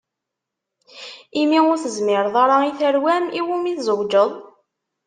Imi ur tezmireḍ ara i terwa-m, iwumi i tezweǧeḍ?